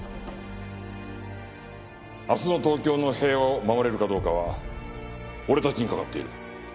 明日の東京の平和を守れるかどうかは俺たちにかかっている。